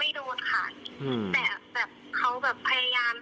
แต่เขาพยายามมีให้แนวค่ะ